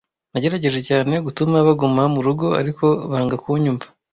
Nagerageje cyane gutuma baguma mu rugo, ariko banga kunyumva.